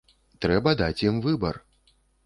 Трэба даць ім выбар.